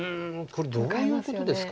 これどういうことですかね。